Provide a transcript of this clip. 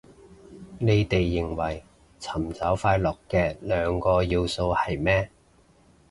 你哋認為尋找快樂嘅兩個要素係咩